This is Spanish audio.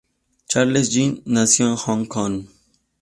Charles Ying nació en Hong Kong.